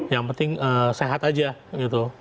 yang penting sehat aja gitu